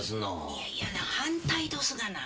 いやいや反対どすがな。